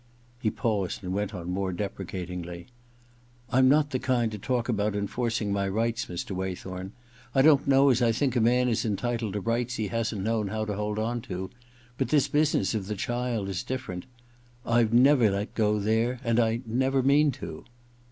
He paused, and went on more depre catingly :* I'm not the kind to talk about enforcing my rights, Mr. Waythorn. I don't know as I think a man is entitled to rights he hasn't known how to hold on to ; but this business of the child is different. I've never let go there — and I never mean to.'